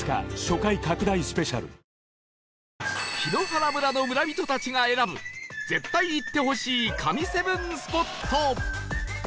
檜原村の村人たちが選ぶ絶対行ってほしい神７スポット